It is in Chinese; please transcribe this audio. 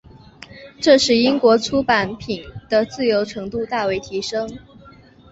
这使得英国出版品的自由程度大为提升。